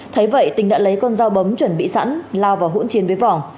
thấy vậy tính đã lấy con dao bấm chuẩn bị sẵn la vào hũn chiên với vòng